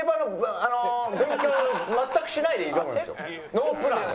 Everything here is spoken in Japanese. ノープランで。